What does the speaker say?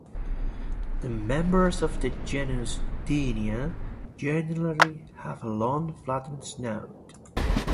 The members of the genus "Deania" generally have a long flattened snout.